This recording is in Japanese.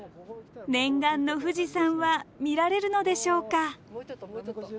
念願の富士山は見られるのでしょうか？